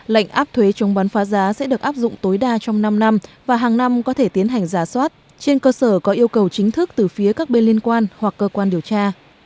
lệnh áp thuế chống bán phá giá sẽ được áp dụng tối đa trong năm năm và hàng năm có thể tiến hành giả soát trên cơ sở có yêu cầu chính thức từ phía các bên liên quan hoặc cơ quan điều tra